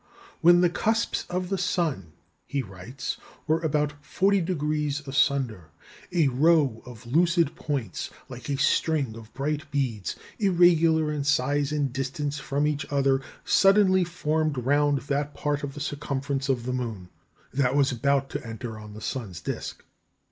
"When the cusps of the sun," he writes, "were about 40° asunder, a row of lucid points, like a string of bright beads, irregular in size and distance from each other, suddenly formed round that part of the circumference of the moon that was about to enter on the sun's disc.